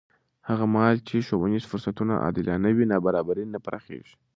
هغه مهال چې ښوونیز فرصتونه عادلانه وي، نابرابري نه پراخېږي.